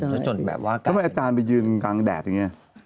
จนแบบว่าทำไมอาจารย์ไปยืนกลางแดดอย่างนี้